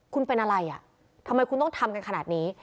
คุณเป็นอะไรอ่ะทำไมคุณต้องทำกันขนาดนี้